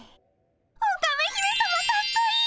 オカメ姫さまかっこいい！